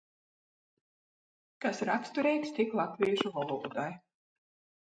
Kas rakstureigs tik latvīšu volūdai.